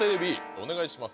お願いします。